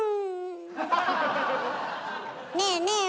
ねえねえ